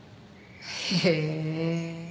へえ。